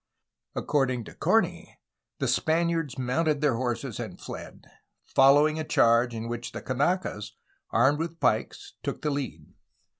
According to Corney ''The Spaniards mounted their horses and fled,'' following a charge in which the Kanakas, armed with pikes, took the lead.